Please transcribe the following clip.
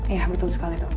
ya betul sekali dok